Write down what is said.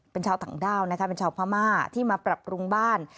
เป็นชาวต่างด้าวนะคะเป็นชาวพม่าที่มาปรับปรุงบ้าน